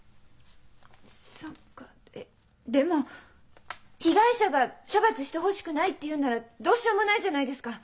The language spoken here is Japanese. そっかえっでも被害者が処罰してほしくないって言うんならどうしようもないじゃないですか。